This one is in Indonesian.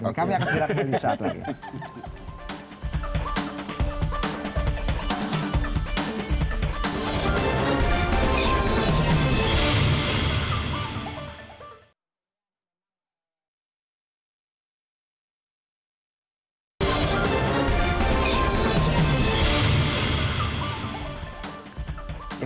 masyarakatnya di saat lagi